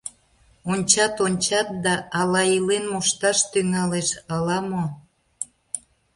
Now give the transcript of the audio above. Ончат-ончат да, ала илен мошташ тӱҥалеш, ала-мо?..